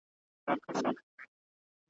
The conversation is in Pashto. خو زما په عقیده ,